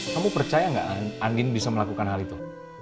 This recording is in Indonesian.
kamu percaya nggak andin bisa melakukan hal itu